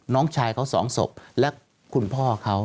น้องชายเขาสองศพและคุณพ่อเขา